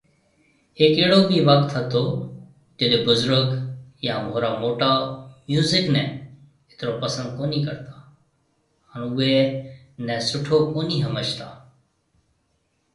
هيڪ اهڙو بِي وکت هتو جڏي بزرگ يا مونهرا موٽا ميوزڪ ني اترو پسند ڪونهي ڪرتا هان اوئي سٺو ڪونهي ۿمجھتا